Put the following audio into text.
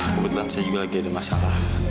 kebetulan saya juga lagi ada masalah